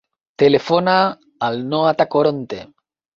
Telefona al Noah Tacoronte.